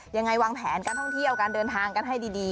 ยังไงวางแผนการท่องเที่ยวการเดินทางกันให้ดี